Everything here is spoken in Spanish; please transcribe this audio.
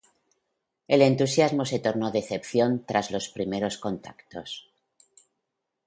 El entusiasmo se tornó decepción tras los primeros contactos.